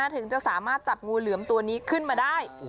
ถึงจะสามารถจับงูเหลือมตัวนี้ขึ้นมาได้